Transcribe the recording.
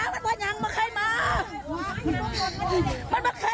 บอกว่ายังไม่เคยมา